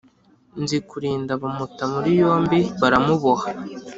Nzikurinda bamuta muri yombi, baramuboha,